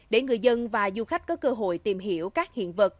để người dân và du khách có cơ hội tìm hiểu các hiện vật